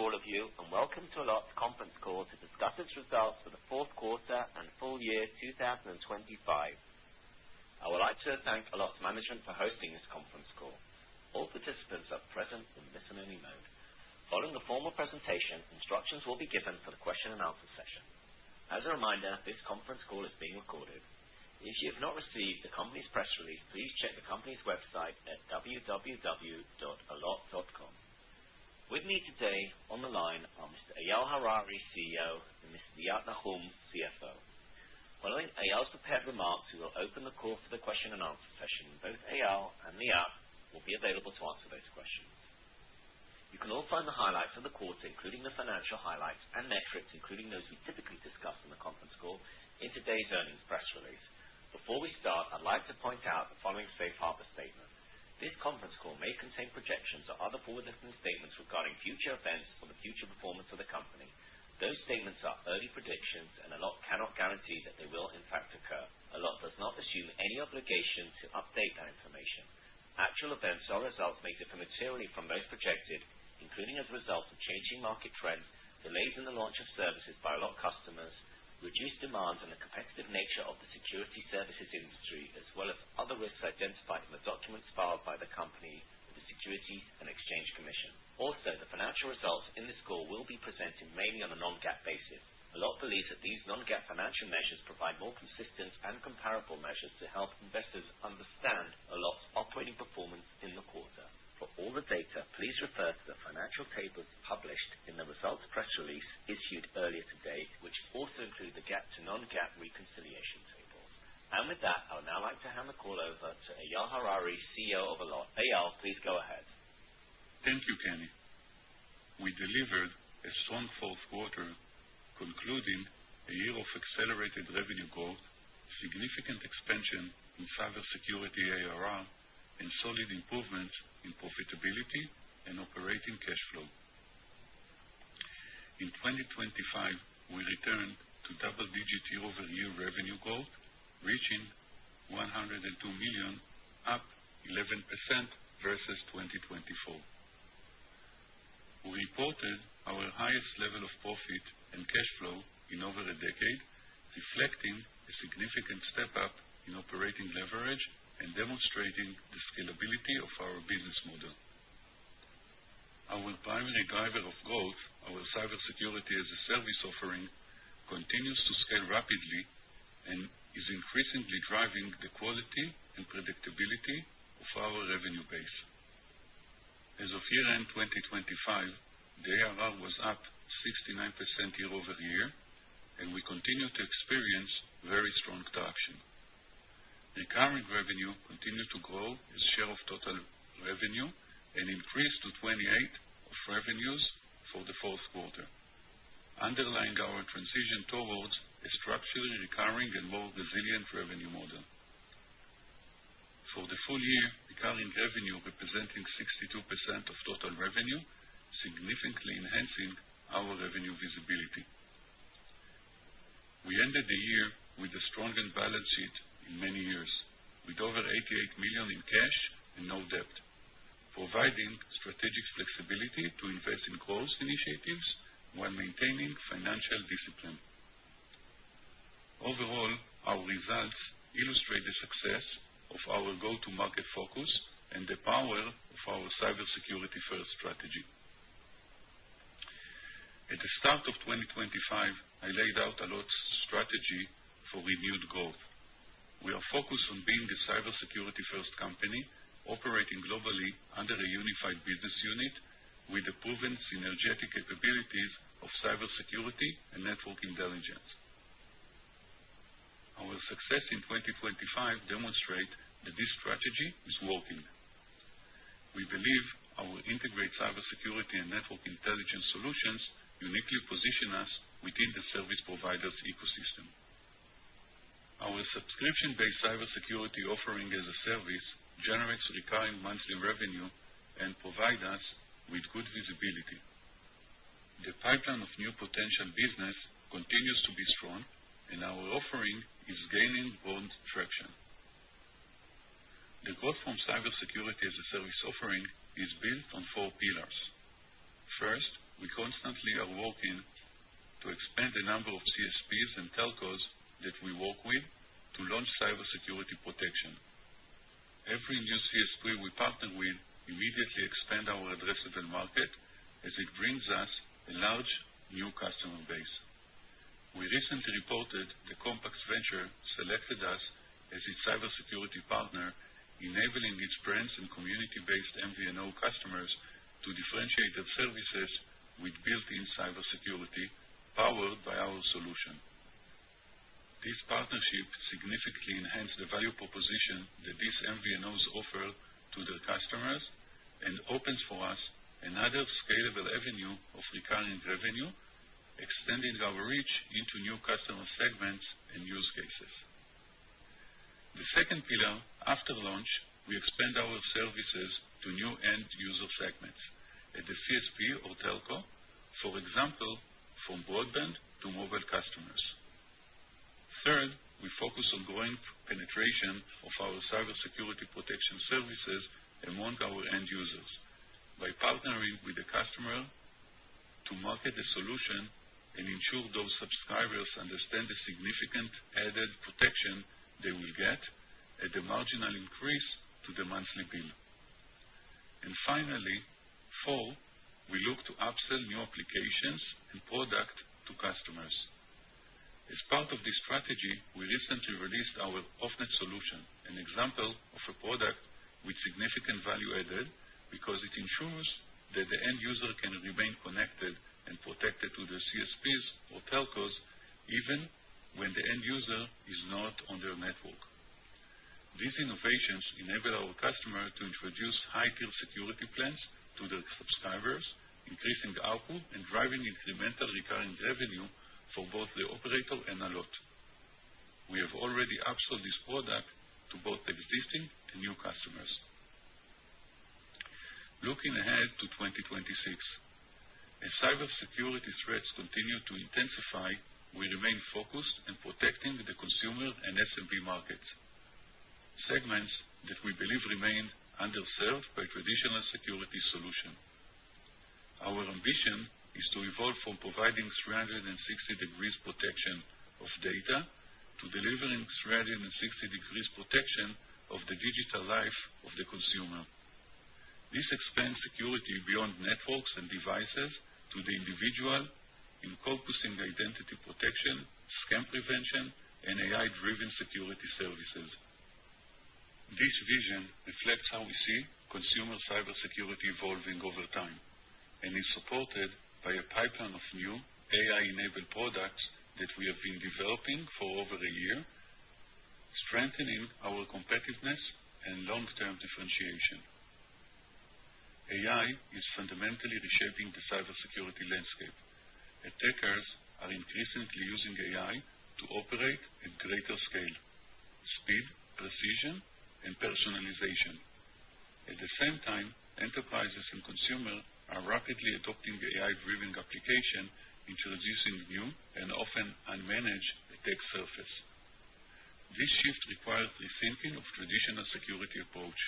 Good day to all of you, welcome to Allot conference call to discuss its results for the fourth quarter and full year 2025. I would like to thank Allot management for hosting this conference call. All participants are present in listen-only mode. Following the formal presentation, instructions will be given for the question and answer session. As a reminder, this conference call is being recorded. If you have not received the company's press release, please check the company's website at www.allot.com. With me today on the line are Mr. Eyal Harari, CEO, and Mr. Liat Nahum, CFO. Following Eyal's prepared remarks, we will open the call to the question and answer session. Both Eyal and Liat will be available to answer those questions. You can all find the highlights of the quarter, including the financial highlights and metrics, including those we typically discuss in the conference call, in today's earnings press release. Before we start, I'd like to point out the following safe harbor statement. This conference call may contain projections or other forward-looking statements regarding future events or the future performance of the company. Those statements are early predictions, and Allot cannot guarantee that they will, in fact, occur. Allot does not assume any obligation to update that information. Actual events or results may differ materially from those projected, including as a result of changing market trends, delays in the launch of services by Allot customers, reduced demand, and the competitive nature of the security services industry, as well as other risks identified in the documents filed by the company with the Securities and Exchange Commission. Also, the financial results in this call will be presented mainly on a non-GAAP basis. Allot believes that these non-GAAP financial measures provide more consistent and comparable measures to help investors understand Allot's operating performance in the quarter. For all the data, please refer to the financial tables published in the results press release issued earlier today, which also includes a GAAP to non-GAAP reconciliation table. With that, I now like to hand the call over to Eyal Harari, CEO of Allot. Eyal, please go ahead. Thank you, Kenny. We delivered a strong fourth quarter, concluding a year of accelerated revenue growth, significant expansion in cybersecurity ARR, and solid improvement in profitability and operating cash flow. In 2025, we returned to double-digit year-over-year revenue growth, reaching $102 million, up 11% versus 2024. We reported our highest level of profit and cash flow in over a decade, reflecting a significant step up in operating leverage and demonstrating the scalability of our business model. Our primary driver of growth, our Cybersecurity-as-a-Service offering, continues to scale rapidly and is increasingly driving the quality and predictability of our revenue base. As of year-end 2025, the ARR was up 69% year-over-year, and we continue to experience very strong traction. Recurring revenue continued to grow as a share of total revenue and increased to 28% of revenues for the fourth quarter, underlying our transition towards a structured, recurring, and more resilient revenue model. For the full year, recurring revenue, representing 62% of total revenue, significantly enhancing our revenue visibility. We ended the year with a strong balance sheet in many years, with over $88 million in cash and no debt, providing strategic flexibility to invest in growth initiatives while maintaining financial discipline. Overall, our results illustrate the success of our go-to-market focus and the power of our cybersecurity-first strategy. At the start of 2025, I laid out Allot's strategy for renewed growth. We are focused on being the cybersecurity-first company, operating globally under a unified business unit with the proven synergetic capabilities of cybersecurity and network intelligence. Our success in 2025 demonstrate that this strategy is working. We believe our integrated cybersecurity and network intelligence solutions uniquely position us within the service provider's ecosystem. Our subscription-based Cybersecurity-as-a-Service generates recurring monthly revenue and provide us with good visibility. The pipeline of new potential business continues to be strong, and our offering is gaining broad traction. The growth from Cybersecurity-as-a-Service offering is built on four pillars. First, we constantly are working to expand the number of CSPs and telcos that we work with to launch cybersecurity protection. Every new CSP we partner with immediately expand our addressable market as it brings us a large new customer base. We recently reported that Compax Venture selected us as its cybersecurity partner, enabling its brands and community-based MVNO customers to differentiate their services with built-in cybersecurity powered by our solution. This partnership significantly enhanced the value proposition that these MVNOs offer to their customers and opens for us another scalable avenue of recurring revenue, extending our reach into new customer segments and use cases. The second pillar, after launch, we expand our services to new end user segments at the CSP or telco, for example, from broadband to mobile connection of our cybersecurity protection services among our end users. By partnering with the customer to market the solution and ensure those subscribers understand the significant added protection they will get at the marginal increase to the monthly bill. Finally, four, we look to upsell new applications and product to customers. As part of this strategy, we recently released our Off-Net solution, an example of a product with significant value added, because it ensures that the end user can remain connected and protected to their CSPs or telcos, even when the end user is not on their network. These innovations enable our customer to introduce high tier security plans to their subscribers, increasing the ARPU and driving incremental recurring revenue for both the operator and Allot. We have already upsold this product to both existing and new customers. Looking ahead to 2026, as cybersecurity threats continue to intensify, we remain focused in protecting the consumer and SMB markets, segments that we believe remain underserved by traditional security solution. Our ambition is to evolve from providing 360 degrees protection of data, to delivering 360 degrees protection of the digital life of the consumer. This expands security beyond networks and devices to the individual, encompassing identity protection, scam prevention, and AI-driven security services. This vision reflects how we see consumer cybersecurity evolving over time, is supported by a pipeline of new AI-enabled products that we have been developing for over a year, strengthening our competitiveness and long-term differentiation. AI is fundamentally reshaping the cybersecurity landscape. Attackers are increasingly using AI to operate at greater scale, speed, precision, and personalization. At the same time, enterprises and consumers are rapidly adopting the AI-driven application, introducing new and often unmanaged attack surface. This shift requires rethinking of traditional security approach.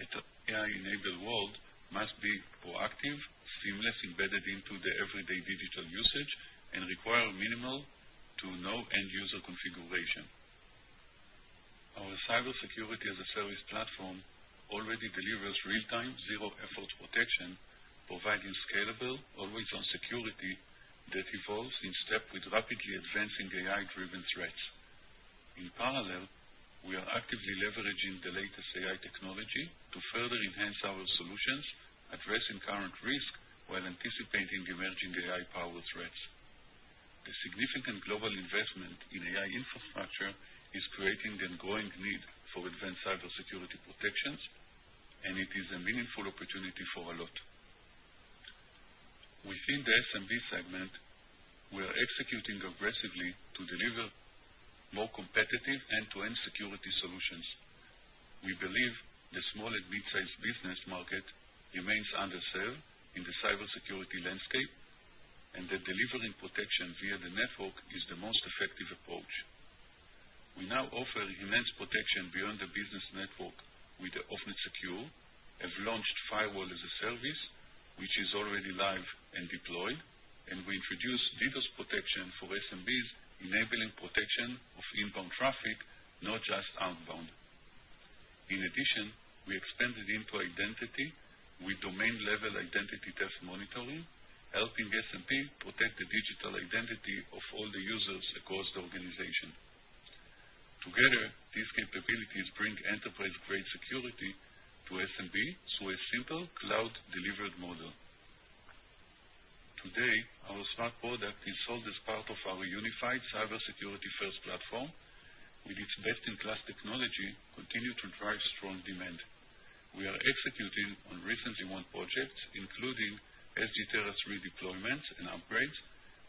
At an AI-enabled world, must be proactive, seamless, embedded into the everyday digital usage, and require minimal to no end user configuration. Our Cybersecurity-as-a-Service platform already delivers real-time, zero effort protection, providing scalable, always-on security that evolves in step with rapidly advancing AI-driven threats. In parallel, we are actively leveraging the latest AI technology to further enhance our solutions, addressing current risk while anticipating the emerging AI power threats. The significant global investment in AI infrastructure is creating an ongoing need for advanced cybersecurity protections, and it is a meaningful opportunity for Allot. Within the SMB segment, we are executing aggressively to deliver more competitive end-to-end security solutions. We believe the small and midsize business market remains underserved in the cybersecurity landscape, and that delivering protection via the network is the most effective approach. We now offer immense protection beyond the business network with the OffNetSecure, have launched Firewall-as-a-Service, which is already live and deployed, and we introduce leaders protection for SMBs, enabling protection of inbound traffic, not just outbound. In addition, we expanded into identity with domain-level identity theft monitoring, helping SMB protect the digital identity of all the users across the organization. Together, these capabilities bring enterprise-grade security to SMB through a simple cloud-delivered model. Today, our smart product is sold as part of our unified cybersecurity first platform, with its best-in-class technology, continue to drive strong demand. We are executing on recent win projects, including SG-Tera III deployments and upgrades,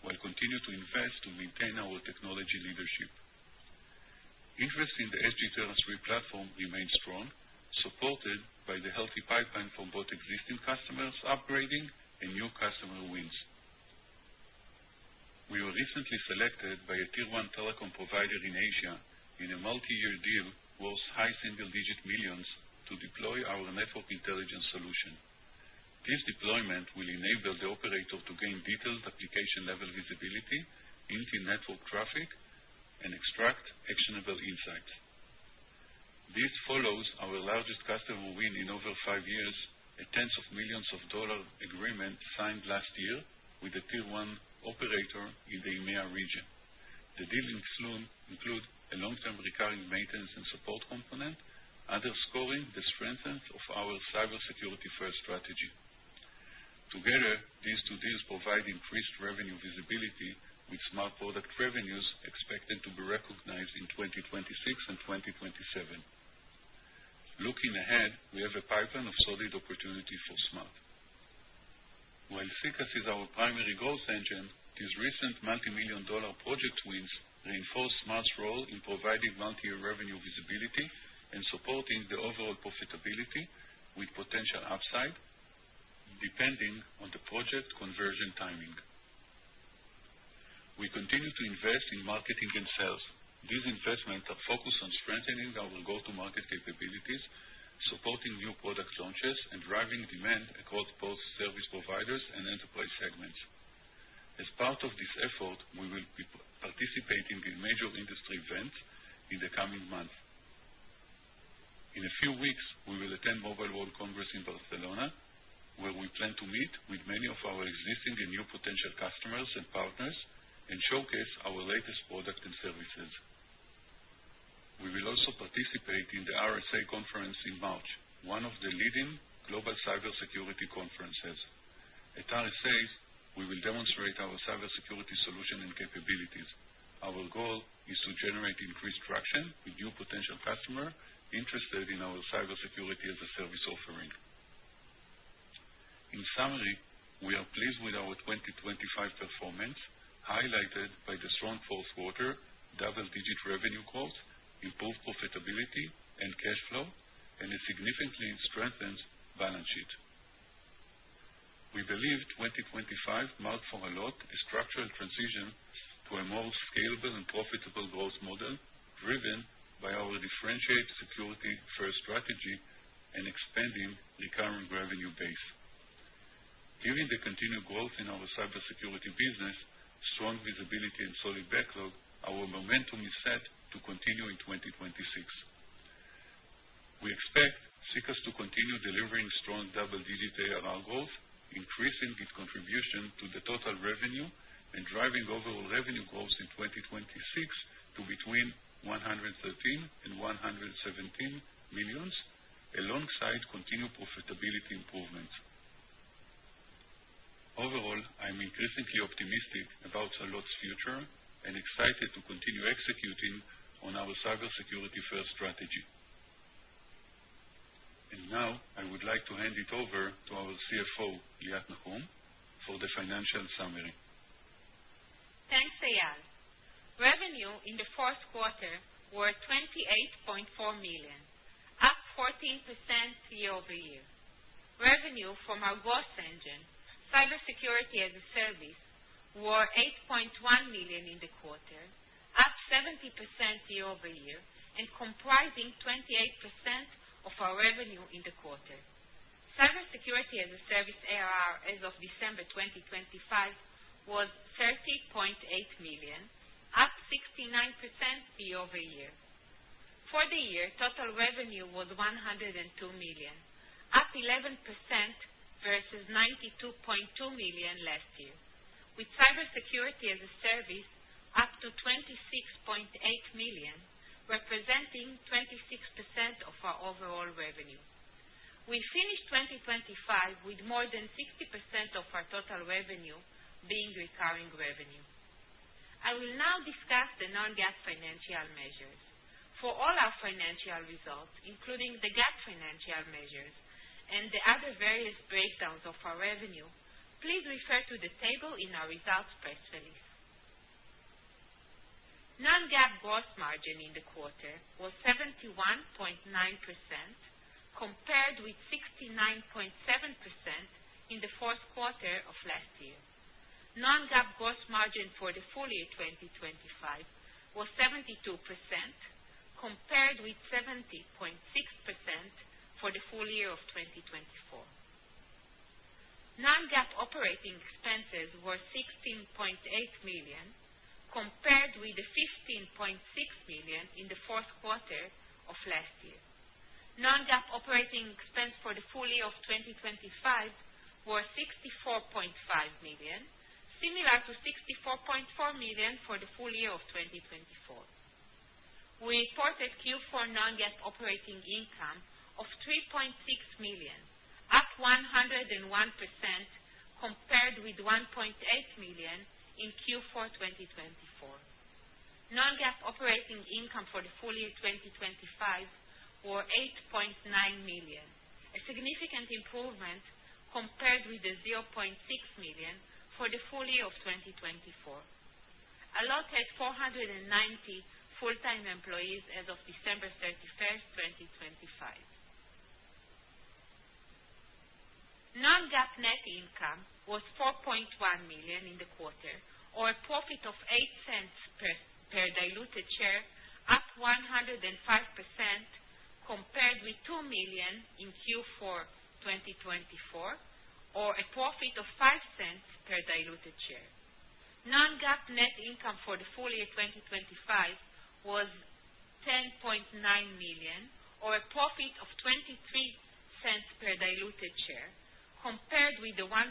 while continuing to invest to maintain our technology leadership. Interest in the SG-Tera III platform remains strong, supported by the healthy pipeline from both existing customers upgrading and new customer wins. We were recently selected by a tier one telecom provider in Asia in a multi-year deal worth high single digit millions to deploy our network intelligence solution. This deployment will enable the operator to gain detailed application level visibility into network traffic and extract actionable insights. This follows our largest customer win in over five years, a tens of millions of dollar agreement signed last year with a tier one operator in the EMEA region. The deal in sloom include a long-term recurring maintenance and support component, underscoring the strength of our cybersecurity first strategy. Together, these two deals provide increased revenue visibility, with Smart product revenues expected to be recognized in 2026 and 2027. Looking ahead, we have a pipeline of solid opportunity for Smart. While SECaaS is our primary growth engine, these recent multimillion dollar project wins reinforce Smart's role in providing multi-year revenue visibility and supporting the overall profitability, with potential upside, depending on the project conversion timing. We continue to invest in marketing and sales. These investments are focused on strengthening our go-to-market capabilities, supporting new product launches, and driving demand across both service providers and enterprise segments. As part of this effort, we will be participating in major industry events in the coming months. In a few weeks, we will attend Mobile World Congress in Barcelona, where we plan to meet with many of our existing and new potential customers and partners and showcase our latest products and services. We will also participate in the RSA Conference in March, one of the leading global cybersecurity conferences. At RSA, we will demonstrate our cybersecurity solution and capabilities. Our goal is to generate increased traction with new potential customers interested in our Cybersecurity-as-a-Service offering. In summary, we are pleased with our 2025 performance, highlighted by the strong fourth quarter, double-digit revenue growth, improved profitability and cash flow, and a significantly strengthened balance sheet. We believe 2025 marked for Allot, a structural transition to a more scalable and profitable growth model, driven by our differentiated security-first strategy and expanding recurring revenue base. Given the continued growth in our cybersecurity business, strong visibility, and solid backlog, our momentum is set to continue in 2026. We expect SECaaS to continue delivering strong double-digit ARR growth, increasing its contribution to the total revenue and driving overall revenue growth in 2026 to between $113 million and $117 million, alongside continued profitability improvements. Overall, I'm increasingly optimistic about Allot's future and excited to continue executing on our cybersecurity-first strategy. I would like to hand it over to our CFO, Liat Nahum, for the financial summary. Thanks, Eyal. Revenue in the fourth quarter were $28.4 million, up 14% year-over-year. Revenue from our growth engine, Cybersecurity-as-a-Service, were $8.1 million in the quarter, up 70% year-over-year, and comprising 28% of our revenue in the quarter. Cybersecurity-as-a-Service ARR, as of December 2025, was $30.8 million, up 69% year-over-year. For the year, total revenue was $102 million, up 11% versus $92.2 million last year, with Cybersecurity-as-a-Service up to $26.8 million, representing 26% of our overall revenue. We finished 2025 with more than 60% of our total revenue being recurring revenue. I will now discuss the non-GAAP financial measures. For all our financial results, including the GAAP financial measures and the other various breakdowns of our revenue, please refer to the table in our results press release. Non-GAAP gross margin in the quarter was 71.9%, compared with 69.7% in the fourth quarter of last year. Non-GAAP gross margin for the full year 2025 was 72%, compared with 70.6% for the full year of 2024. Non-GAAP operating expenses were $16.8 million, compared with the $15.6 million in the fourth quarter of last year. Non-GAAP operating expense for the full year of 2025 were $64.5 million, similar to $64.4 million for the full year of 2024. We reported Q4 non-GAAP operating income of $3.6 million, up 101% compared with $1.8 million in Q4 2024. Non-GAAP operating income for the full year 2025 were $8.9 million, a significant improvement compared with the $0.6 million for the full year of 2024. Allot had 490 full-time employees as of December 31st, 2025. Non-GAAP net income was $4.1 million in the quarter, or a profit of $0.08 per diluted share, up 105% compared with $2 million in Q4 2024, or a profit of $0.05 per diluted share. Non-GAAP net income for the full year 2025 was $10.9 million, or a profit of $0.23 per diluted share, compared with the $1.6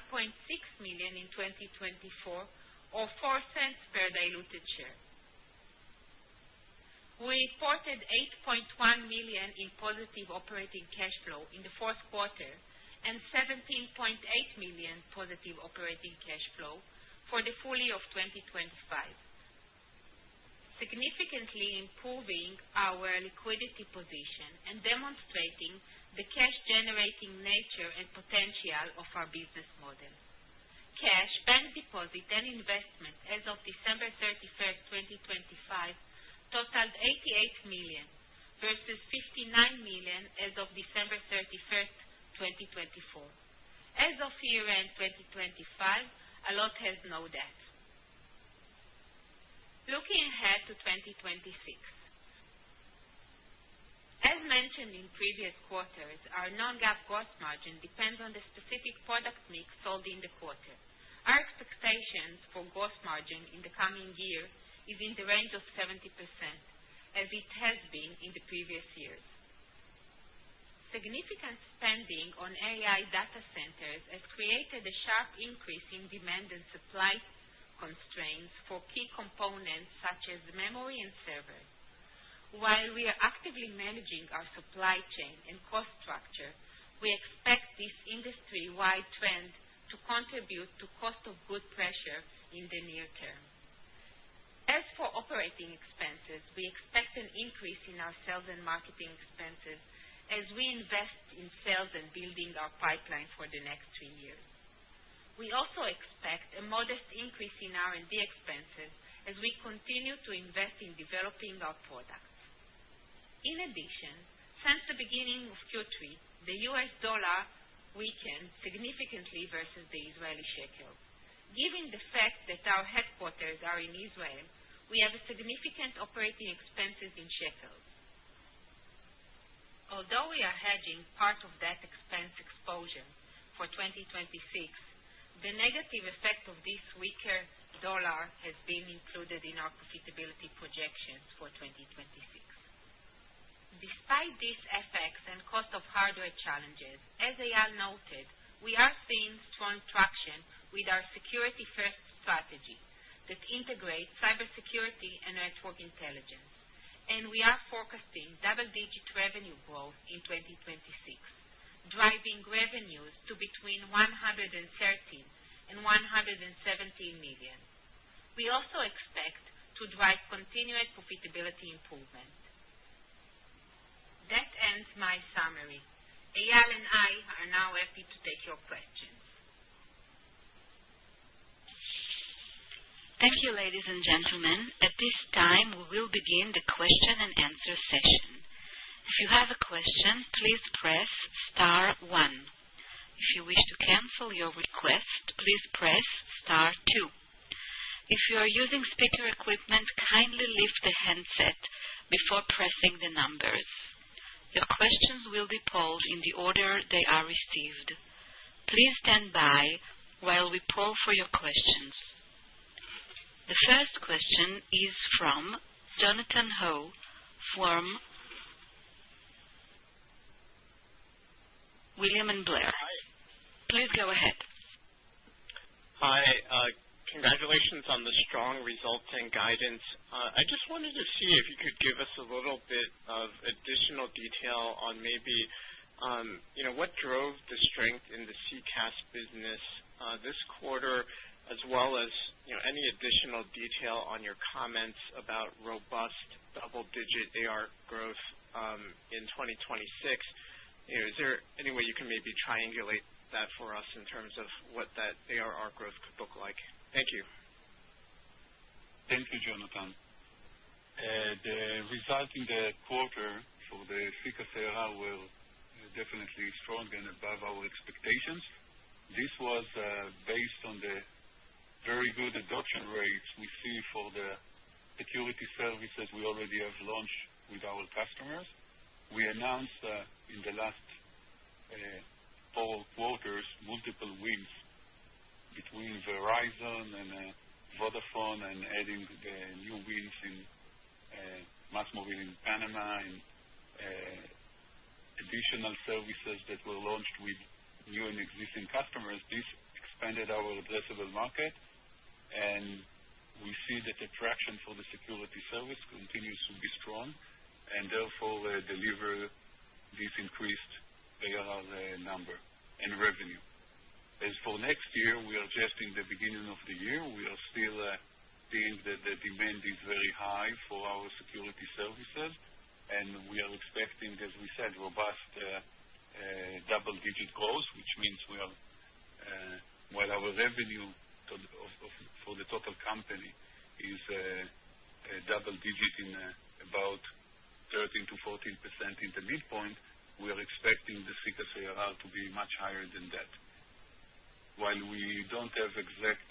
million in 2024, or $0.04 per diluted share. We reported $8.1 million in positive operating cash flow in the fourth quarter and $17.8 million positive operating cash flow for the full year of 2025, significantly improving our liquidity position and demonstrating the cash-generating nature and potential of our business model. Cash, bank deposit, and investment as of December 31st, 2025, totaled $88 million, versus $59 million as of December 31st, 2024. As of year-end 2025, Allot has no debt. Looking ahead to 2026. As mentioned in previous quarters, our non-GAAP gross margin depends on the specific product mix sold in the quarter. Our expectations for gross margin in the coming year is in the range of 70%, as it has been in the previous years. Significant spending on AI data centers has created a sharp increase in demand and supply constraints for key components, such as memory and servers. While we are actively managing our supply chain and cost structure, we expect this industry-wide trend to contribute to cost of good pressure in the near term. As for operating expenses, we expect an increase in our sales and marketing expenses as we invest in sales and building our pipeline for the next three years. We also expect a modest increase in R&D expenses as we continue to invest in developing our products. Since the beginning of Q3, the US dollar weakened significantly versus the Israeli shekel. Given the fact that our headquarters are in Israel, we have significant operating expenses in shekels. We are hedging part of that expense exposure for 2026, the negative effect of this weaker dollar has been included in our profitability projections for 2026. Despite these effects and cost of hardware challenges, as Eyal noted, we are seeing strong traction with our security-first strategy that integrates cybersecurity and network intelligence. We are forecasting double-digit revenue growth in 2026, driving revenues to between $113 million and $117 million. We also expect to drive continued profitability improvement. That ends my summary. Eyal and I are now happy to take your questions. Thank you, ladies and gentlemen. At this time, we will begin the question and answer session. If you have a question, please press star one. If you wish to cancel your request, please press star two. If you are using speaker equipment, kindly lift the handset before pressing the numbers. Your questions will be polled in the order they are received. Please stand by while we poll for your questions. The first question is from Jonathan Ho from William Blair. Please go ahead. Hi, congratulations on the strong results and guidance. I just wanted to see if you could give us a little bit of additional detail on maybe, you know, what drove the strength in the CCaaS business this quarter, as well as, you know, any additional detail on your comments about robust double-digit AR growth in 2026. You know, is there any way you can maybe triangulate that for us in terms of what that ARR growth could look like? Thank you. Thank you, Jonathan. The results in the quarter for the CCaaS ARR were definitely strong and above our expectations. This was based on the very good adoption rates we see for the security services we already have launched with our customers. We announced in the last four quarters, multiple wins between Verizon and Vodafone, and adding new wins in Más Móvil in Panama, and additional services that were launched with new and existing customers. This expanded our addressable market, we see that the traction for the security service continues to be strong and therefore, deliver this increased ARR number and revenue. As for next year, we are just in the beginning of the year, we are still seeing that the demand is very high for our security services, and we are expecting, as we said, robust double-digit growth, which means we are while our revenue to the for the total company is a double digit in about 13%-14% in the midpoint, we are expecting the CCaaS ARR to be much higher than that. While we don't have exact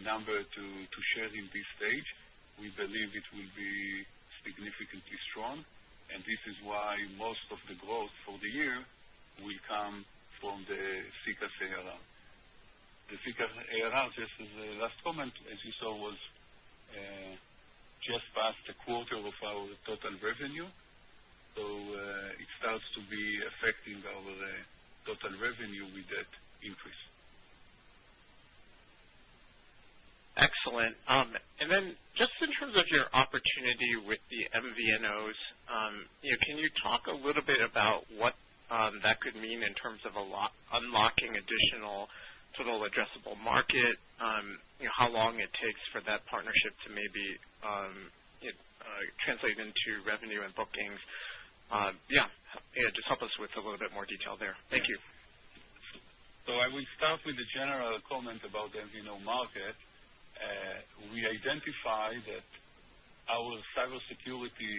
number to share in this stage, we believe it will be significantly strong, and this is why most of the growth for the year will come from the CCaaS ARR. The CCaaS ARR, just as a last comment, as you saw, was just past a quarter of our total revenue, so it starts to be affecting our total revenue with that increase. Excellent. Just in terms of your opportunity with the MVNOs, you know, can you talk a little bit about what that could mean in terms of a lock, unlocking additional total addressable market? You know, how long it takes for that partnership to maybe translate into revenue and bookings? Yeah, Eyal, just help us with a little bit more detail there. Thank you. I will start with a general comment about the MVNO market. Our cybersecurity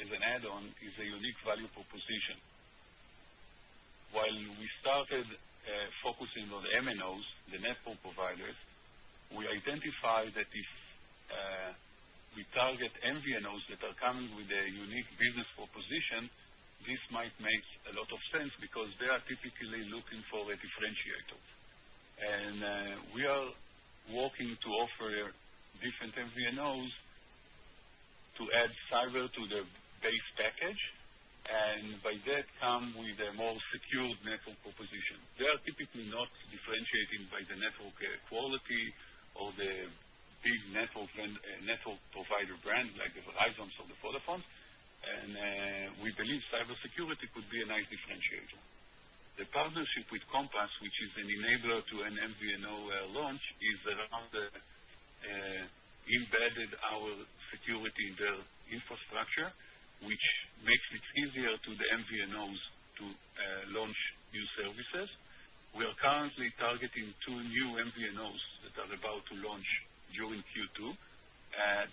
as an add-on is a unique value proposition. While we started focusing on MNOs, the network providers, we identified that if we target MVNOs that are coming with a unique business proposition, this might make a lot of sense because they are typically looking for a differentiator. We are working to offer different MVNOs to add cyber to their base package, and by that come with a more secured network proposition. They are typically not differentiating by the network quality or the big network and network provider brands like the Verizon or the Vodafone, we believe cybersecurity could be a nice differentiator. The partnership with Compax, which is an enabler to an MVNO, launch, is around embedded our security in their infrastructure, which makes it easier to the MVNOs to launch new services. We are currently targeting two new MVNOs that are about to launch during Q2,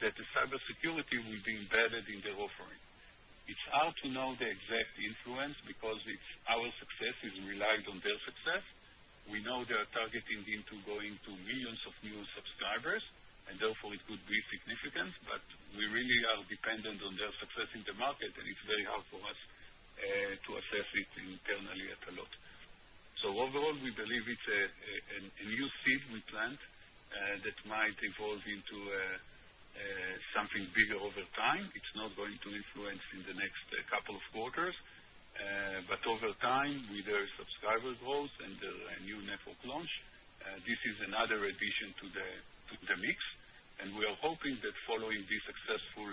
that the cybersecurity will be embedded in their offering. It's hard to know the exact influence because our success is relied on their success. We know they are targeting into going to millions of new subscribers, and therefore it could be significant, but we really are dependent on their success in the market, and it's very hard for us to assess it internally at Allot. Overall, we believe it's a new seed we plant that might evolve into something bigger over time. It's not going to influence in the next couple of quarters, but over time, with their subscribers growth and their new network launch, this is another addition to the mix, we are hoping that following the successful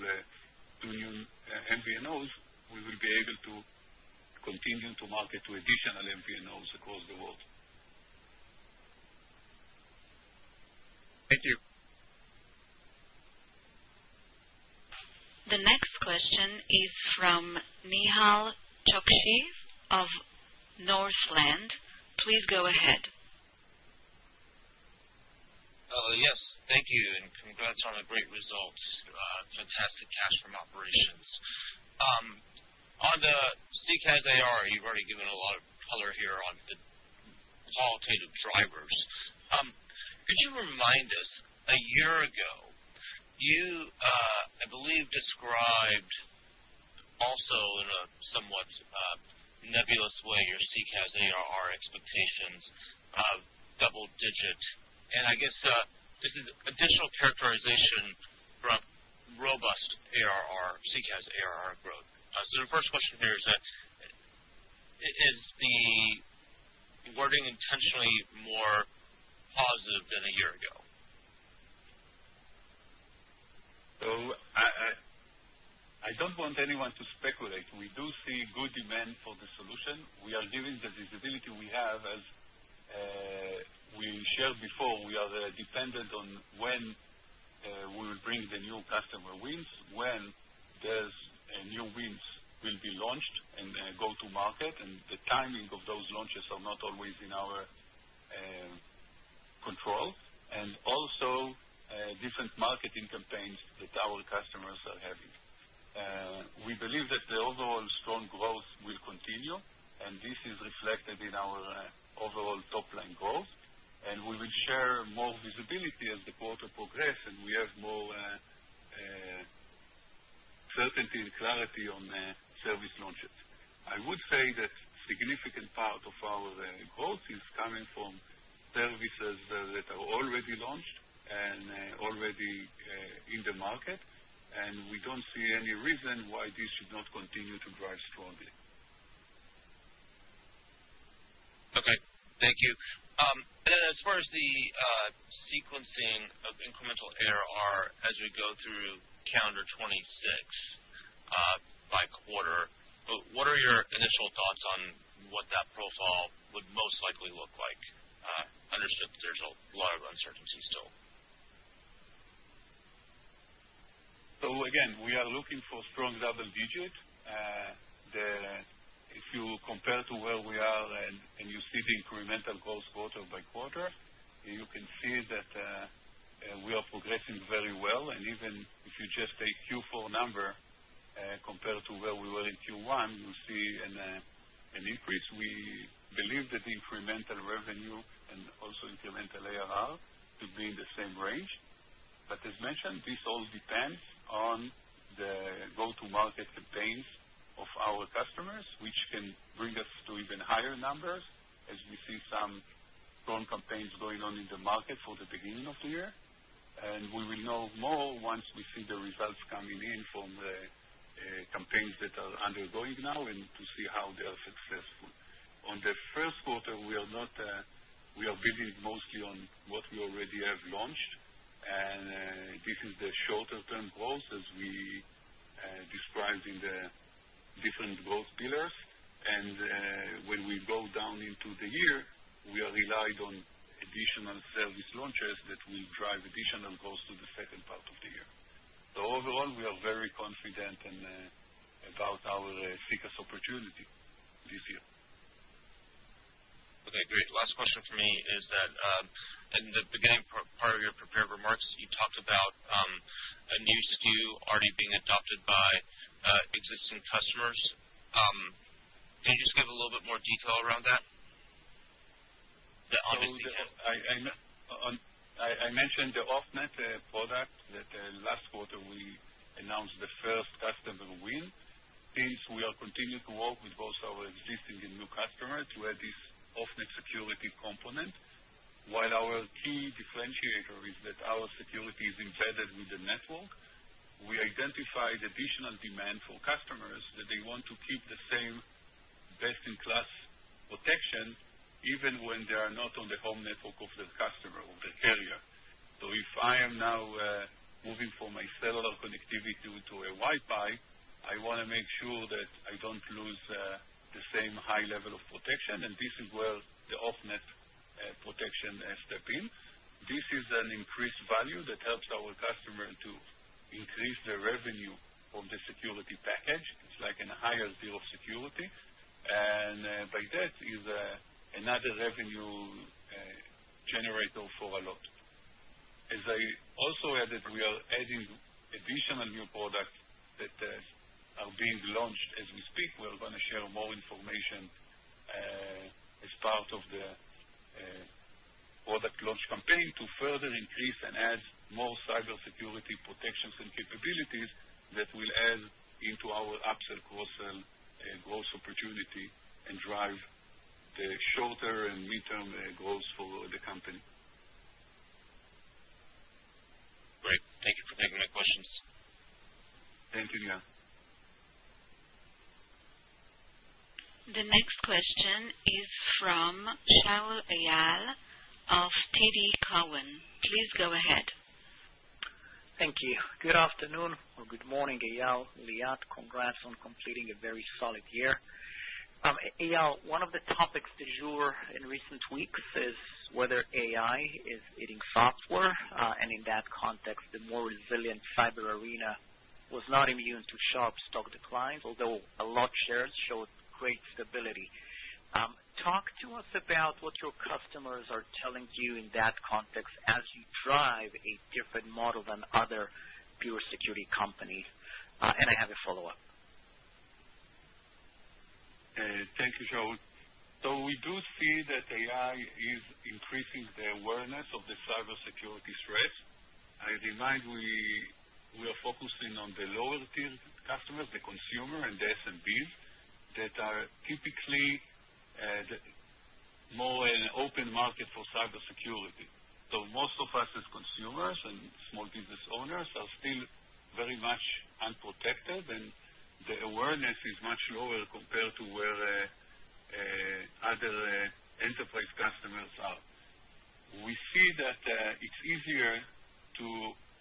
two new MVNOs, we will be able to continue to market to additional MVNOs across the world. Thank you. The next question is from Nehal Chokshi of Northland. Please go ahead. Yes, thank you. Congrats on the great results. Fantastic cash from operations. On the CCaaS ARR, you've already given a lot of color here on the qualitative drivers. Could you remind us, a year ago, you, I believe, described also in a somewhat nebulous way, your CCaaS ARR expectations of double-digit. I guess, this is additional characterization from robust ARR, CCaaS ARR growth. The first question here is that, is the wording intentionally more positive than a year ago? I don't want anyone to speculate. We do see good demand for the solution. We are giving the visibility we have as we shared before, we are dependent on when we will bring the new customer wins, when there's new wins will be launched and go to market, and the timing of those launches are not always in our control, and also different marketing campaigns that our customers are having. We believe that the overall strong growth will continue, and this is reflected in our overall top line growth, and we will share more visibility as the quarter progress, and we have more certainty and clarity on the service launches. I would say that significant part of our growth is coming from services that are already launched and already in the market, and we don't see any reason why this should not continue to grow strongly. Okay. Thank you. As far as the sequencing of incremental ARR as we go through calendar 2026 by quarter, what are your initial thoughts on what that profile would most likely look like? I understand there's a lot of uncertainty still. Again, we are looking for strong double digits. If you compare to where we are and you see the incremental growth quarter by quarter, you can see that we are progressing very well, and even if you just take Q4 number, compared to where we were in Q1, you see an increase. We believe that the incremental revenue and also incremental ARR to be in the same range, but as mentioned, this all depends on the go-to-market campaigns of our customers, which can bring us to even higher numbers as we see some strong campaigns going on in the market for the beginning of the year. We will know more once we see the results coming in from the campaigns that are undergoing now and to see how they are successful. On the first quarter, we are not, we are building mostly on what we already have launched. This is the shorter term growth as we described in the different growth pillars. When we go down into the year, we are relied on additional service launches that will drive additional growth to the second part of the year. Overall, we are very confident in about our CCaaS opportunity this year. Okay, great. Last question for me is that, in the beginning part of your prepared remarks, you talked about, a new SKU already being adopted by, existing customers. Can you just give a little bit more detail around that? I mentioned the Off-Net product, that last quarter we announced the first customer win. Since we are continuing to work with both our existing and new customers, where this Off-Net security component, while our key differentiator is that our security is embedded with the network, we identified additional demand for customers, that they want to keep the same best-in-class protection, even when they are not on the home network of the customer or the carrier. If I am now moving from my cellular connectivity to a Wi-Fi, I want to make sure that I don't lose the same high level of protection, and this is where the Off-Net protection step in. This is an increased value that helps our customer to increase their revenue from the security package. It's like an higher zero security, and by that is another revenue generator for Allot. As I also added, we are adding additional new products that are being launched as we speak. We're going to share more information as part of the product launch campaign to further increase and add more cybersecurity protections and capabilities that will add into our upsell, cross-sell, and growth opportunity and drive the shorter and midterm growth for the company. Great. Thank you for taking my questions. Thank you, Neil. The next question is from Shaul Eyal of TD Cowen. Please go ahead. Thank you. Good afternoon or good morning, Eyal, Liat. Congrats on completing a very solid year. Eyal, one of the topics du jour in recent weeks is whether AI is eating software. In that context, the more resilient fiber arena was not immune to sharp stock declines, although Allot shares showed great stability. Talk to us about what your customers are telling you in that context as you drive a different model than other pure security companies. I have a follow-up. Thank you, Shaul. We do see that AI is increasing the awareness of the cybersecurity threat. I remind we are focusing on the lower-tier customers, the consumer, and the SMBs, that are typically the more an open market for cybersecurity. Most of us as consumers and small business owners are still very much unprotected, and the awareness is much lower compared to where other enterprise customers are. We see that it's easier to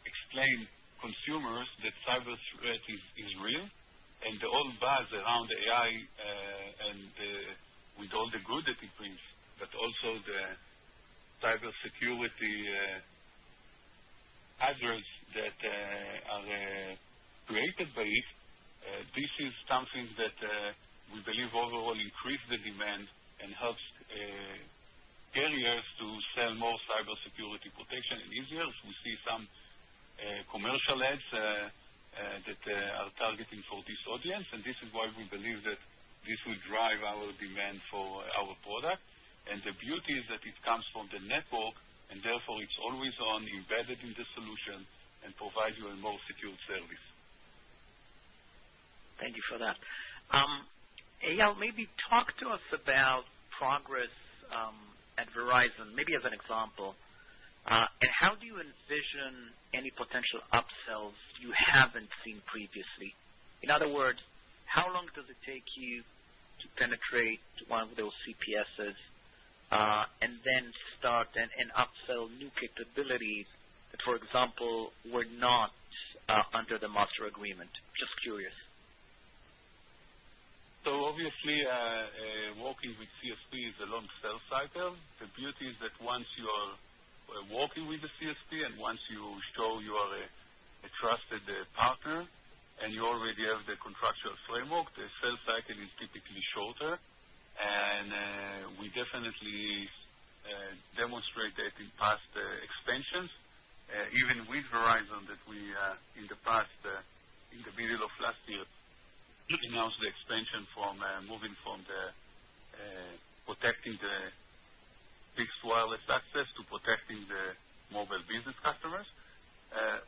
explain consumers that cyber threat is real, and the whole buzz around AI and with all the good that it brings, but also the cybersecurity hazards that are created by it, this is something that we believe overall increase the demand and helps carriers to sell more cybersecurity protection and easier. We see some commercial ads that are targeting for this audience, and this is why we believe that this will drive our demand for our product. The beauty is that it comes from the network, and therefore it's always on, embedded in the solution and provide you a more secure service. Thank you for that. Eyal, maybe talk to us about progress at Verizon, maybe as an example. How do you envision any potential upsells you haven't seen previously? In other words, how long does it take you to penetrate one of those CSPs, and then start and upsell new capabilities that, for example, were not under the master agreement? Just curious. Obviously, working with CSP is a long sales cycle. The beauty is that once you are working with the CSP and once you show you are a trusted partner, and you already have the contractual framework, the sales cycle is typically shorter. We definitely demonstrate that in past expansions, even with Verizon, that we in the past, in the middle of last year, announced the expansion from moving from the protecting the fixed wireless access to protecting the mobile business customers.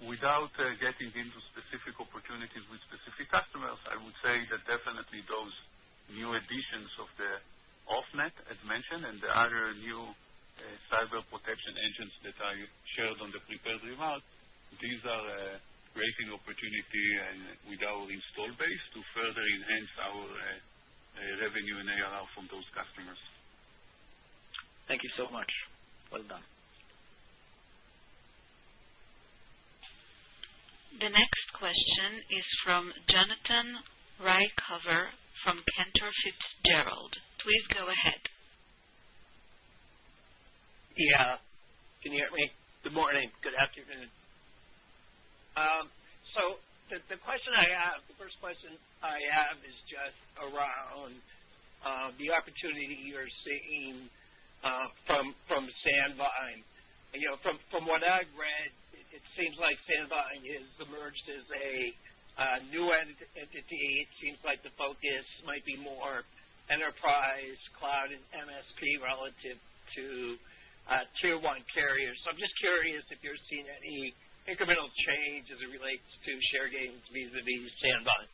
Without getting into specific opportunities with specific customers, I would say that definitely those new additions of the Off-Net, as mentioned, and the other new cyber protection engines that I shared on the prepared remarks, these are creating opportunity and with our install base to further enhance our revenue and ARR from those customers. Thank you so much. Well done. The next question is from Jonathan Ruykhaver, from Cantor Fitzgerald. Please go ahead. Yeah. Can you hear me? Good morning, good afternoon. The question I have, the first question I have is just around the opportunity you're seeing from Sandvine. You know, from what I've read, it seems like Sandvine has emerged as a new end entity. It seems like the focus might be more enterprise, cloud, and MSP relative to tier one carriers. I'm just curious if you're seeing any incremental change as it relates to share gained vis-à-vis Sandvine?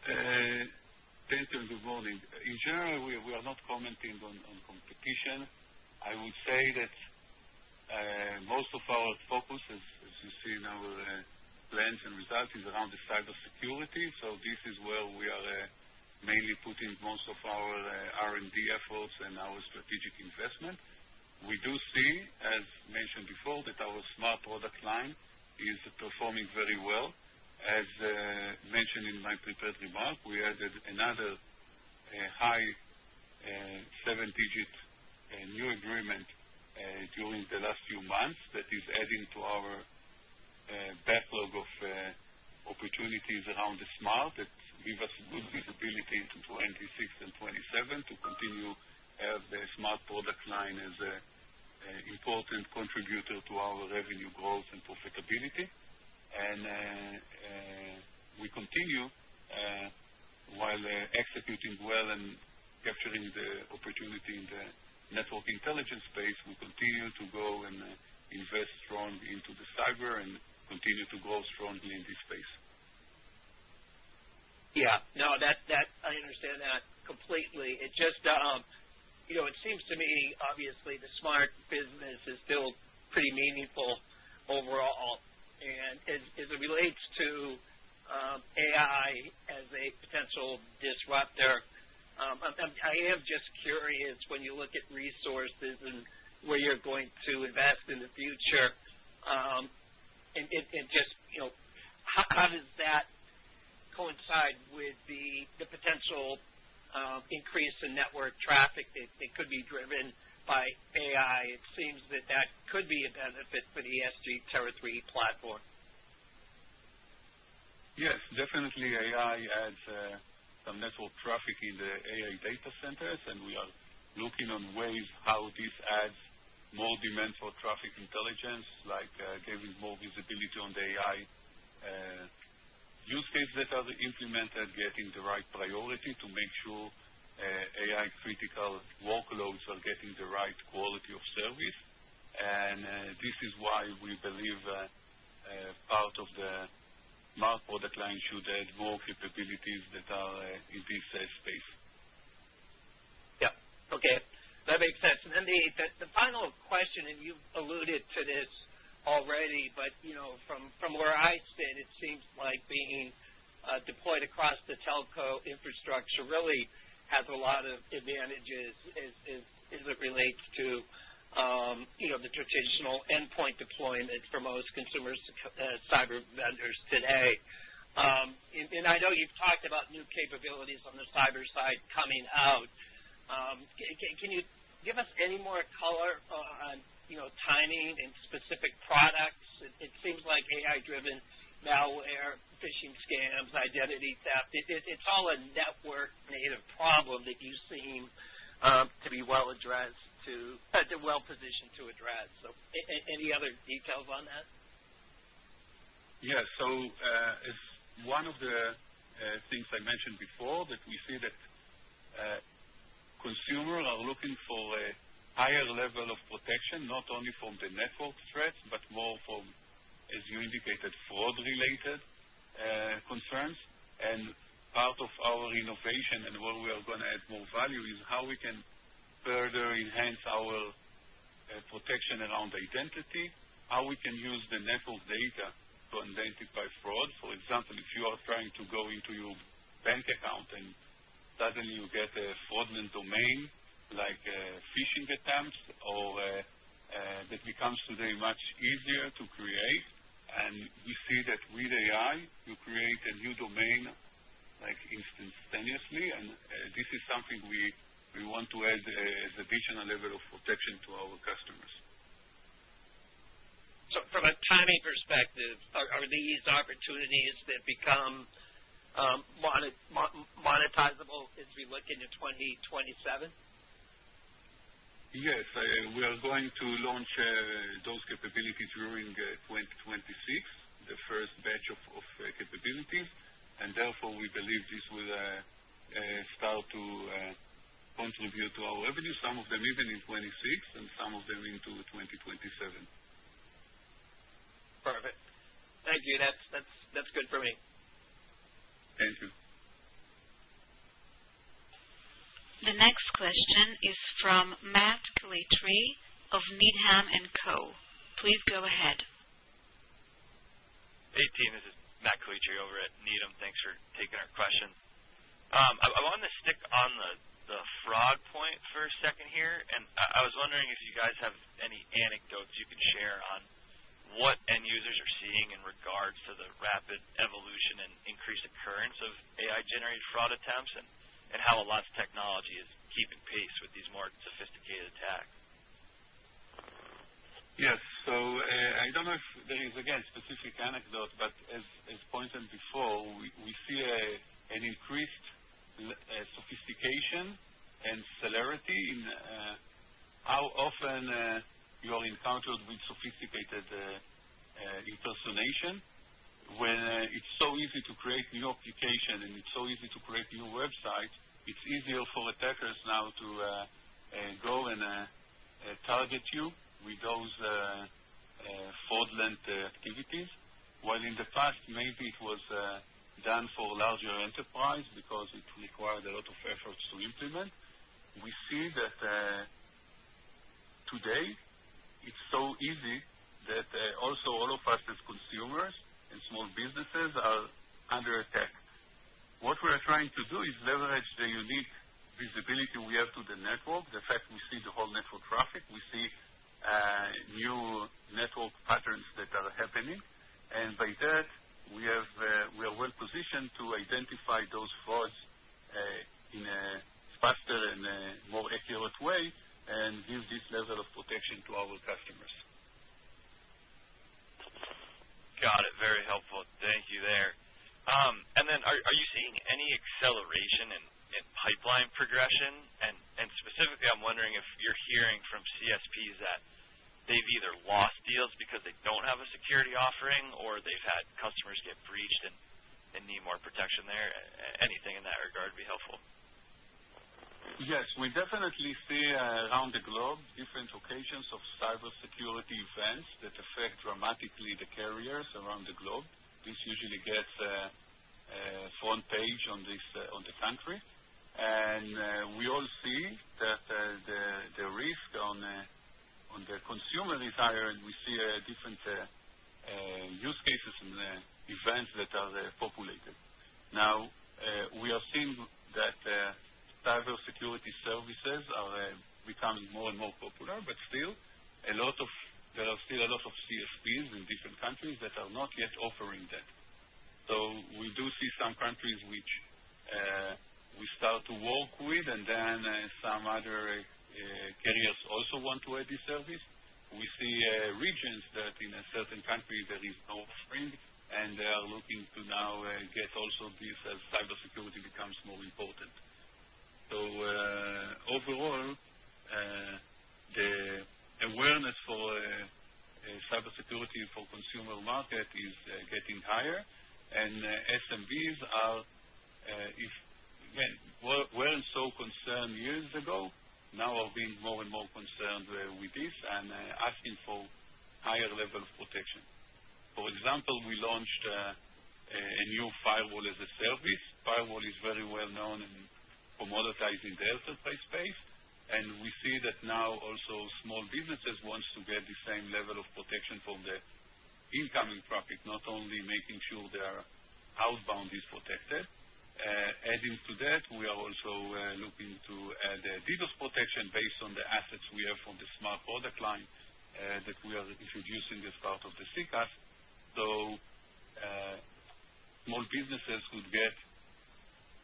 Thanks for the warning. In general, we are not commenting on competition. I will say that most of our focus, as you see in our plans and results, is around the cybersecurity. This is where we are mainly putting most of our R&D efforts and our strategic investment. We do see, as mentioned before, that our Smart product line is performing very well. As mentioned in my prepared remark, we added another high 7-digit new agreement during the last few months that is adding to our backlog of opportunities around the Smart, that give us good visibility into 2026 and 2027 to continue to have the Smart product line as an important contributor to our revenue growth and profitability. We continue while executing well and capturing the opportunity in the network intelligence space, we continue to grow and invest strong into the cyber and continue to grow strongly in this space. Yeah. No, that I understand that completely. It just, you know, it seems to me, obviously, the smart business is still pretty meaningful overall, and as it relates to AI as a potential disruptor, I am just curious, when you look at resources and where you're going to invest in the future, and just, you know, how does that coincide with the potential increase in network traffic that could be driven by AI? It seems that could be a benefit for the SG-Tera III platform. Yes, definitely AI adds, some network traffic in the AI data centers, and we are looking on ways how this adds more demand for traffic intelligence, like, giving more visibility on the AI, use cases that are implemented, getting the right priority to make sure, AI critical workloads are getting the right quality of service. This is why we believe that, part of the Smart product line should add more capabilities that are, in this, space. Okay, that makes sense. And then the final question, and you've alluded to this already, but, you know, from where I stand, it seems like being deployed across the telco infrastructure really has a lot of advantages, as it relates to, you know, the traditional endpoint deployment for most consumers, cyber vendors today. Can you give us any more color on, you know, timing and specific products? It seems like AI-driven malware, phishing scams, identity theft, it's all a network-native problem that you seem to be well addressed to, well positioned to address. Any other details on that? As one of the things I mentioned before, that we see that consumer are looking for a higher level of protection, not only from the network threats, but more from, as you indicated, fraud-related concerns. Part of our innovation and where we are going to add more value, is how we can further enhance our protection around identity, how we can use the network data to identify fraud. For example, if you are trying to go into your bank account and suddenly you get a fraudulent domain, like, phishing attempts or that becomes today much easier to create. We see that with AI, you create a new domain, like, instantaneously, and this is something we want to add additional level of protection to our customers. From a timing perspective, are these opportunities that become monetizable as we look into 2027? Yes, we are going to launch those capabilities during 2026, the first batch of capabilities, and therefore we believe this will start to contribute to our revenue, some of them even in 2026, and some of them into 2027. Perfect. Thank you. That's good for me. Thank you. The next question is from Matt Calitri of Needham & Company. Please go ahead. Hey, team, this is Matt Calitri over at Needham. Thanks for taking our question. I wanted to stick on the fraud point for a second here, and I was wondering if you guys have any anecdotes you can share on what end users are seeing in regards to the rapid increased occurrence of AI-generated fraud attempts and how Allot's technology is keeping pace with these more sophisticated attacks? Yes. I don't know if there is, again, specific anecdote, but as pointed before, we see an increased sophistication and celerity in how often you are encountered with sophisticated impersonation. When it's so easy to create new application, and it's so easy to create new websites, it's easier for attackers now to go and target you with those fraudulent activities. While in the past, maybe it was done for larger enterprise because it required a lot of efforts to implement, we see that today, it's so easy that also all of us as consumers and small businesses are under attack. What we are trying to do is leverage the unique visibility we have to the network, the fact we see the whole network traffic, we see new network patterns that are happening. By that, we are well positioned to identify those frauds in a faster and more accurate way, and give this level of protection to our customers. Got it. Very helpful. Thank you there. Are you seeing any acceleration in pipeline progression? Specifically, I'm wondering if you're hearing from CSPs that they've either lost deals because they don't have a security offering, or they've had customers get breached and need more protection there. Anything in that regard would be helpful. Yes, we definitely see around the globe, different occasions of cybersecurity events that affect dramatically the carriers around the globe. This usually gets front page on this on the country. We all see that the risk on the consumer is higher, and we see different use cases and events that are populated. We are seeing that cybersecurity services are becoming more and more popular, but still, there are still a lot of CSPs in different countries that are not yet offering that. We do see some countries which we start to work with, some other carriers also want to add this service. We see regions that in a certain country there is no offering, and they are looking to now get also this as cybersecurity becomes more important. Overall, the awareness for cybersecurity for consumer market is getting higher, and SMBs are, if, well, weren't so concerned years ago, now are being more and more concerned with this, and asking for higher level of protection. For example, we launched a new Firewall-as-a-Service. Firewall is very well known in, for monetizing the enterprise space, and we see that now also small businesses wants to get the same level of protection from the incoming traffic, not only making sure their outbound is protected. Adding to that, we are also looking to add a DDoS protection based on the assets we have from the Smart product line, that we are introducing as part of the CCaaS, so small businesses could get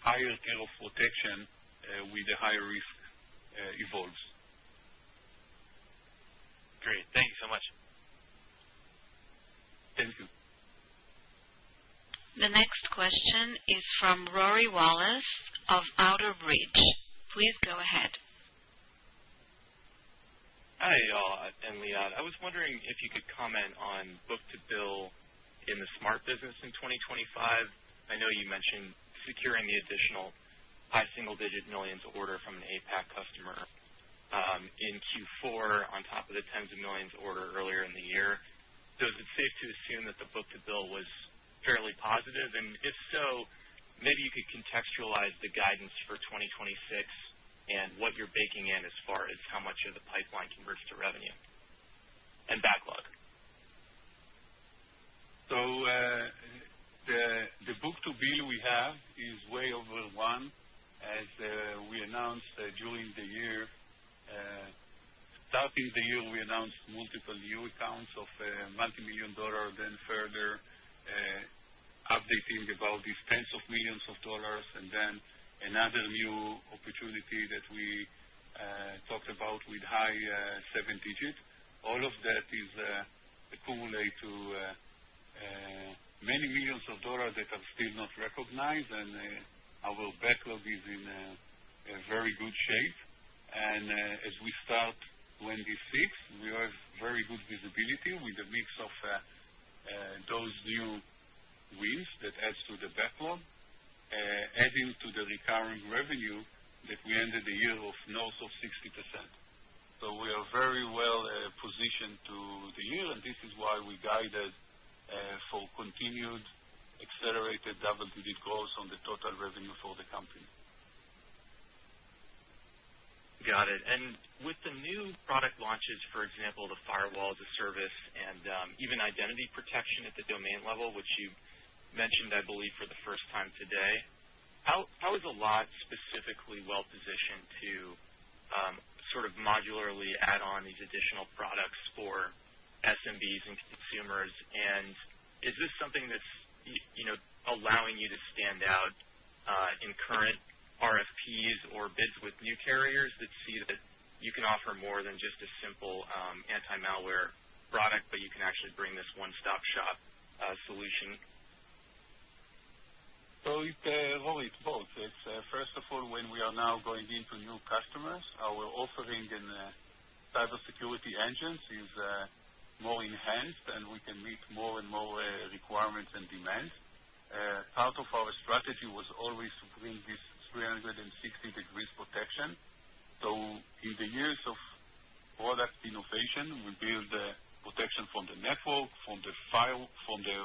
higher scale of protection with the higher risk evolves. Great. Thank you so much. Thank you. The next question is from Rory Wallace of Outerbridge. Please go ahead. Hi, and Eyal. I was wondering if you could comment on book-to-bill in the Smart business in 2025. I know you mentioned securing the additional high single-digit millions order from an APAC customer in Q4, on top of the tens of millions order earlier in the year. Is it safe to assume that the book-to-bill was fairly positive? If so, maybe you could contextualize the guidance for 2026 and what you're baking in as far as how much of the pipeline converts to revenue and backlog. The book-to-bill we have is way over one, as we announced during the year. Starting the year, we announced multiple new accounts of $ multimillion, then further updating about these tens of millions of dollars, another new opportunity that we talked about with high seven digits. All of that is accumulate to many millions of dollar that are still not recognized, our backlog is in a very good shape. As we start 2026, we have very good visibility with a mix of those new wins that adds to the backlog, adding to the recurring revenue that we ended the year of north of 60%. We are very well positioned to the year, and this is why we guided for continued accelerated double-digit growth on the total revenue for the company. Got it. With the new product launches, for example, the Firewall-as-a-Service and even identity protection at the domain level, which you mentioned, I believe, for the first time today. How is Allot specifically well positioned to sort of modularly add on these additional products for SMBs and consumers? Is this something that's, you know, allowing you to stand out in current RFPs or bids with new carriers that see that you can offer more than just a simple anti-malware product, but you can actually bring this one-stop shop solution? Well, it's both. It's first of all, when we are now going into new customers, our offering in the cybersecurity engines is more enhanced, and we can meet more and more requirements and demands. Part of our strategy was always to bring this 360 degrees protection. In the years of product innovation, we build the protection from the network, from the file, from the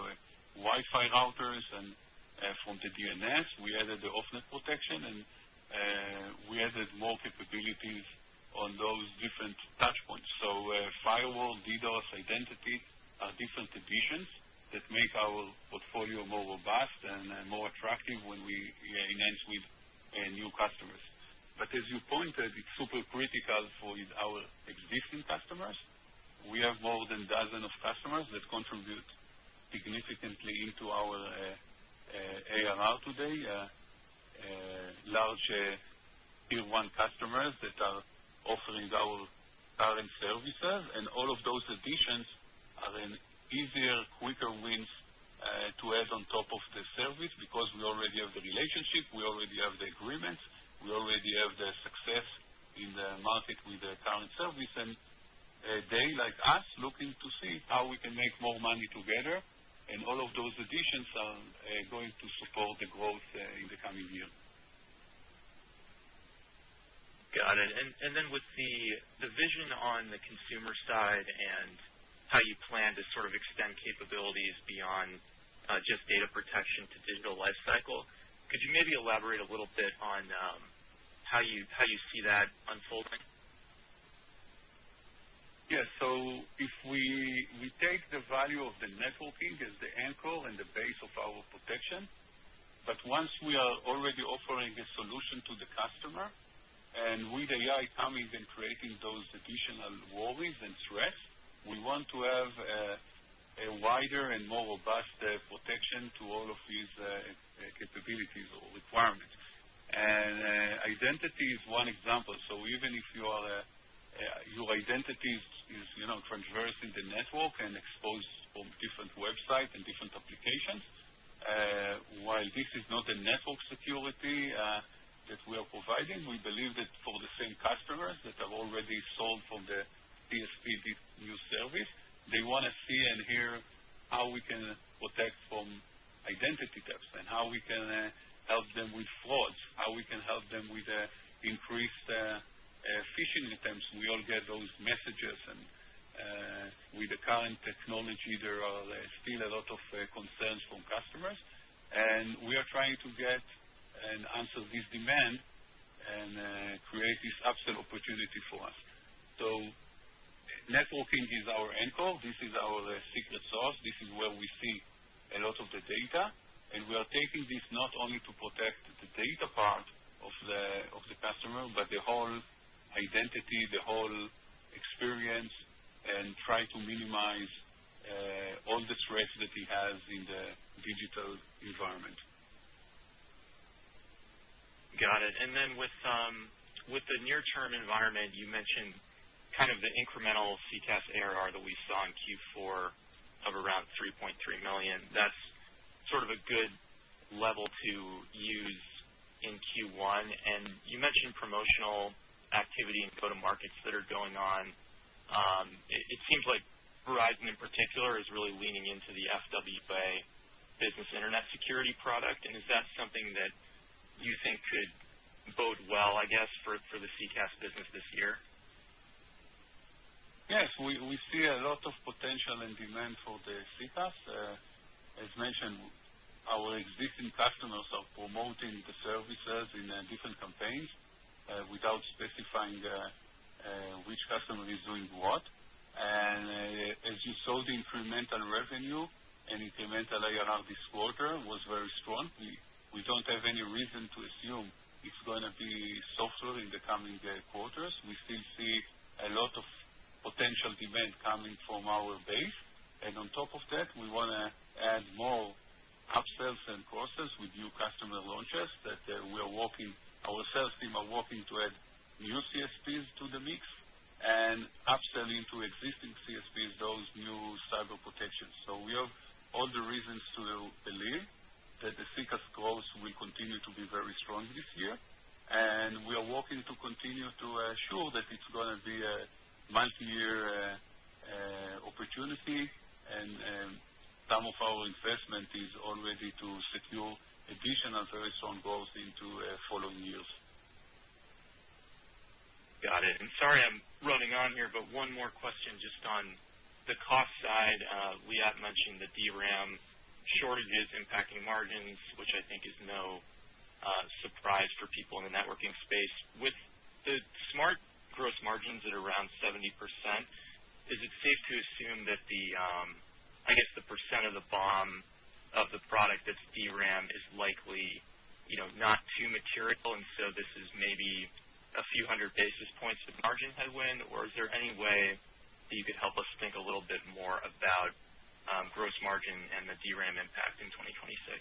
Wi-Fi routers, and from the DNS. We added the Off-Net protection, and we added more capabilities on those different touch points. Firewall, DDoS, identity, different additions that make our portfolio more robust and more attractive when we, yeah, enhance with new customers. As you pointed, it's super critical for our existing customers. We have more than 12 customers that contribute significantly into our ARR today, large tier one customers that are offering our current services, and all of those additions are an easier, quicker wins to add on top of the service, because we already have the relationship, we already have the agreements, we already have the success in the market with the current service. They like us, looking to see how we can make more money together, and all of those additions are going to support the growth in the coming years. Got it. With the vision on the consumer side and how you plan to sort of extend capabilities beyond just data protection to digital life cycle, could you maybe elaborate a little bit on how you see that unfolding? Yes. If we take the value of the networking as the anchor and the base of our protection, but once we are already offering a solution to the customer, and with AI coming and creating those additional worries and threats, we want to have a wider and more robust protection to all of these capabilities or requirements. Identity is one example. So even if your identity is, you know, traversing the network and exposed from different websites and different applications, while this is not a network security that we are providing, we believe that for the same customers that have already sold from the CSP, this new service, they want to see and hear how we can protect from identity theft and how we can help them with fraud, how we can help them with increase phishing attempts. We all get those messages, and with the current technology, there are still a lot of concerns from customers, and we are trying to get and answer this demand and create this upsell opportunity for us. So networking is our anchor. This is our secret source. This is where we see a lot of the data, and we are taking this not only to protect the data part of the, of the customer, but the whole identity, the whole experience, and try to minimize all the threats that he has in the digital environment. Got it. With the near term environment, you mentioned kind of the incremental SECaaS ARR that we saw in Q4 of around $3.3 million. That's sort of a good level to use in Q1. You mentioned promotional activity in go-to-markets that are going on. It seems like Verizon, in particular, is really leaning into the FWA Business Internet security product. Is that something that you think could bode well, I guess, for the SECaaS business this year? Yes, we see a lot of potential and demand for the SECaaS. As mentioned, our existing customers are promoting the services in different campaigns, without specifying which customer is doing what. As you saw, the incremental revenue and incremental ARR this quarter was very strong. We don't have any reason to assume it's gonna be softer in the coming quarters. We still see a lot of potential demand coming from our base, and on top of that, we want to add more upsells and crosses with new customer launches that we are working. Our sales team are working to add new CSPs to the mix and upsell into existing CSPs, those new cyber protections. We have all the reasons to believe that the CCaaS growth will continue to be very strong this year, and we are working to continue to show that it's gonna be a multi-year opportunity, and some of our investment is already to secure additional Verizon growth into following years. Got it. Sorry, I'm running on here, but one more question just on the cost side. Liat mentioned the DRAM shortages impacting margins, which I think is no surprise for people in the networking space. With the Smart margins at around 70%. Is it safe to assume that the, I guess, the percent of the BOM of the product that's DRAM is likely, you know, not too material, and so this is maybe a few hundred basis points of margin headwind? Or is there any way that you could help us think a little bit more about gross margin and the DRAM impact in 2026?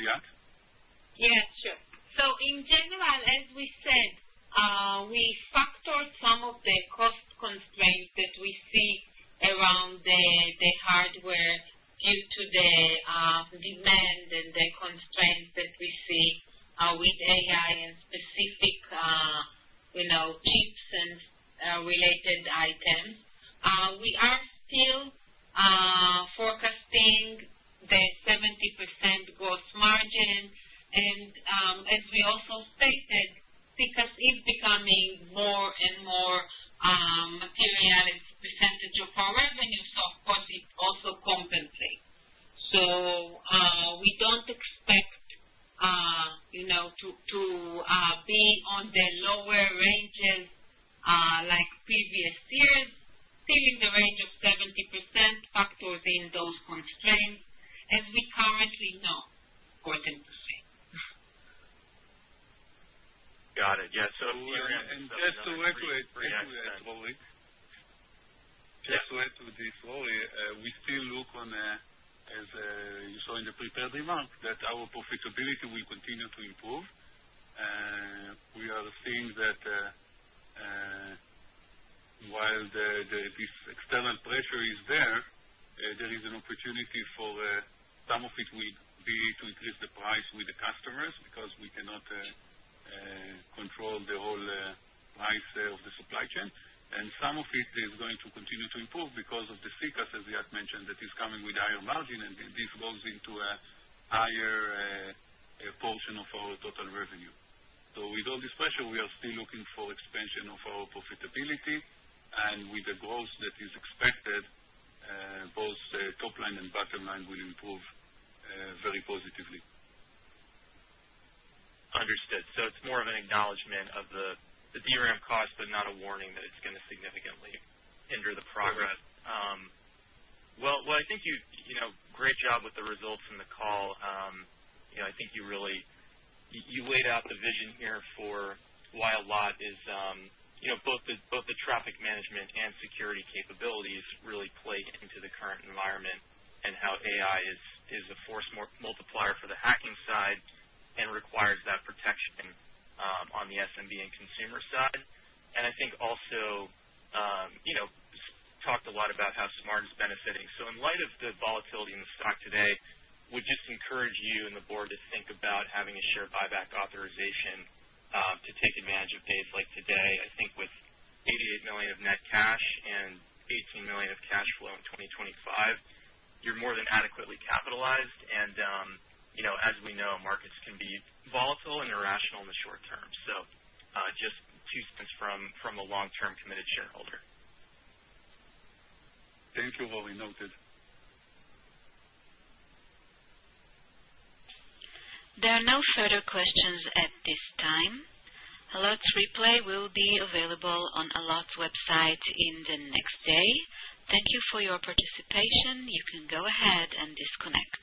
Liat? Yeah, sure. In general, as we said, we factored some of the cost constraints that we see around the hardware due to the demand and the constraints that we see with AI and specific, you know, chips and related items. We are still forecasting the 70% gross margin. As we also stated, because it's becoming more and more material as a percentage of our revenue, of course, it also compensates. We don't expect, you know, to be on the lower ranges, like previous years, still in the range of 70%, factoring those constraints, as we currently know, according to see. Got it. Yeah. Just to recreate, Rory. Just to add to this, Rory, we still look on as you saw in the prepared remarks, that our profitability will continue to improve. We are seeing that while this external pressure is there is an opportunity for some of it will be to increase the price with the customers because we cannot control the whole price of the supply chain. Some of it is going to continue to improve because of the SECaaS, as we had mentioned, that is coming with higher margin, and this goes into a higher portion of our total revenue. With all this pressure, we are still looking for expansion of our profitability, and with the growth that is expected, both top line and bottom line will improve very positively. Understood. It's more of an acknowledgement of the DRAM cost, but not a warning that it's going to significantly hinder the progress. Well, I think you know, great job with the results from the call. You know, I think you really laid out the vision here for why Allot is, you know, both the traffic management and security capabilities really play into the current environment and how AI is a force multiplier for the hacking side and requires that protection on the SMB and consumer side. I think also, you know, talked a lot about how Smart is benefiting. In light of the volatility in the stock today, would just encourage you and the board to think about having a share buyback authorization to take advantage of days like today. I think with $88 million of net cash and $18 million of cash flow in 2025, you're more than adequately capitalized, and, you know, as we know, markets can be volatile and irrational in the short term. Just $0.02 from a long-term committed shareholder. Thank you, Rory. Noted. There are no further questions at this time. Allot's replay will be available on Allot's website in the next day. Thank you for your participation. You can go ahead and disconnect.